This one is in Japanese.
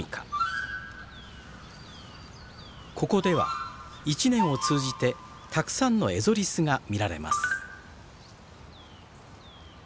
ここでは一年を通じてたくさんのエゾリスが見られます。